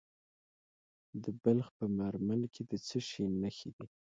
د بلخ په مارمل کې د څه شي نښې دي؟